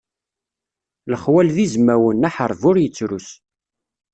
Lexwal d izmawen, aḥerbi ur yettrus.